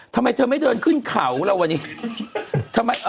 ทำไมเธอไม่เดินขึ้นเขาล่ะวันนี้